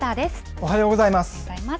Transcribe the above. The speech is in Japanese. おはようございます。